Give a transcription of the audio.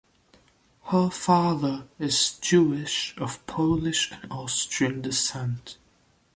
Her father is Jewish of Polish and Austrian descent.